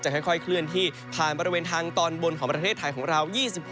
ค่อยเคลื่อนที่ผ่านบริเวณทางตอนบนของประเทศไทยของเรา